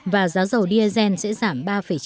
và giá dầu diesel sẽ giảm ba chín